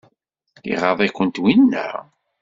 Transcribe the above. Iɣaḍ-ikent winna?